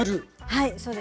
はいそうですね。